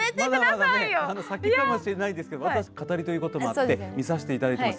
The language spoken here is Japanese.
まだ先かもしれないですけど、私、語りということもあって、見させていただいてます。